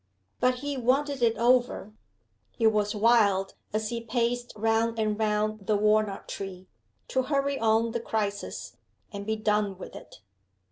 But he wanted it over. He was wild, as he paced round and round the walnut tree, to hurry on the crisis and be done with it.